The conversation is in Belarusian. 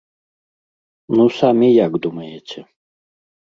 Ну самі як думаеце?